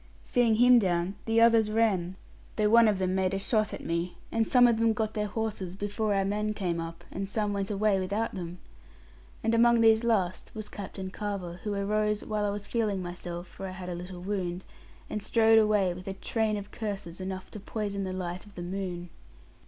Seeing him down the others ran, though one of them made a shot at me, and some of them got their horses, before our men came up; and some went away without them. And among these last was Captain Carver who arose, while I was feeling myself (for I had a little wound), and strode away with a train of curses enough to poison the light of the moon.